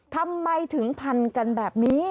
ทำไมถึงพันกันแบบนี้